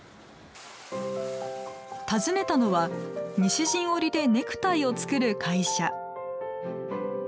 訪ねたのは、西陣織でネクタイを作る会社。